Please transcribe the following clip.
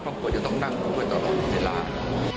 เพราะควรจะต้องนั่งคุยตลอดในร้าน